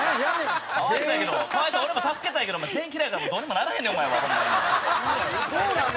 俺も助けたいけど全員嫌いやからどうにもならへんねんお前は。そうなん？